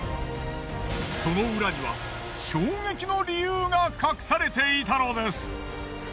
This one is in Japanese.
その裏には衝撃の理由が隠されていたのです。